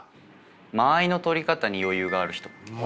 間合いのとり方に余裕がある人。